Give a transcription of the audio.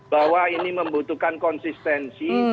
bahwa ini membutuhkan konsistensi